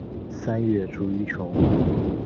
三月卒于琼。